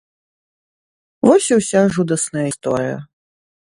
Вось і ўся жудасная гісторыя.